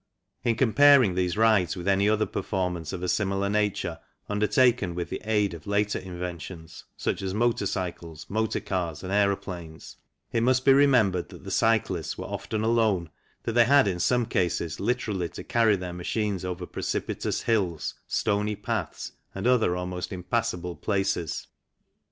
In comparing these rides with any other performance of a similar nature undertaken with the aid of later inventions, such as motor cycles, motor cars, and aeroplanes, it must be remembered that the cyclists were often alone, that they had in some cases literally to carry their machines over precipitous hills, stony paths, and other almost impassable places.